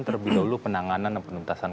terlebih dahulu penanganan dan penuntasan